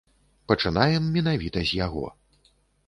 Пачынаем менавіта з яго.